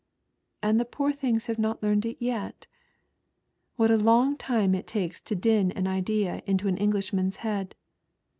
" And the poor things have not learnt it yet ; what ^ long time it takes to din an idea into an English man's bead.